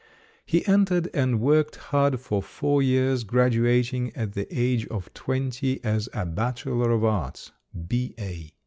He entered and worked hard for four years, graduating at the age of twenty as a Bachelor of Arts "B.A."